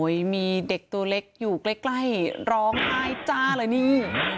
มีเด็กตัวเล็กอยู่ใกล้ร้องไห้จ้าเลยนี่